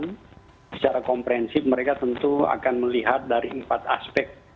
dan secara komprehensif mereka tentu akan melihat dari empat aspek